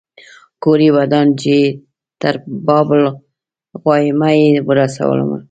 کور یې ودان چې تر باب الغوانمه یې ورسولم.